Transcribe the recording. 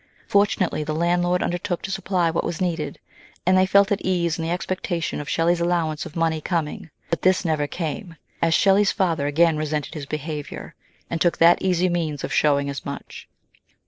4 50 MRS. SHELLEY. Fortunately the landlord undertook to supply what was needed, and they felt at ease in the expectation of Shelley's allowance of money coming ; but this never came, as Shelley's father again resented his behaviour, and took that easy means of showing as much.